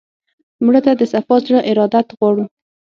مړه ته د صفا زړه ارادت غواړو